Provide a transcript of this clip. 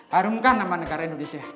harumkan nama negara indonesia